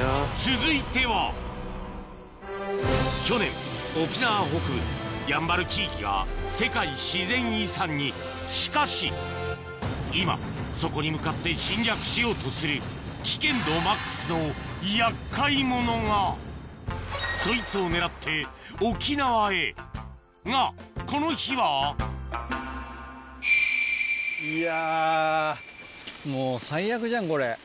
続いては去年沖縄北部やんばる地域が世界自然遺産にしかし今そこに向かって侵略しようとする危険度マックスの厄介者がそいつを狙って沖縄へがこの日はいやもう最悪じゃんこれ。